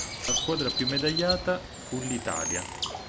La squadra più medagliata fu l'Italia.